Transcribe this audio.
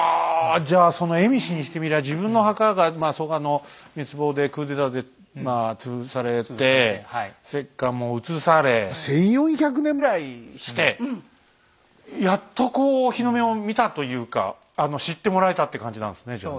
じゃあその蝦夷にしてみりゃ自分の墓が蘇我の滅亡でクーデターでまあ潰されて石棺も移され１，４００年ぐらいしてやっとこう日の目を見たというか知ってもらえたって感じなんですねじゃあ。